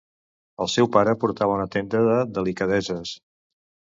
El seu pare portava una tenda de delicadeses.